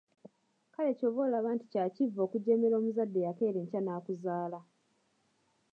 Kale ky'ova olaba nti kya kivve okujeemera omuzadde eyakeera enkya n'akuzaala.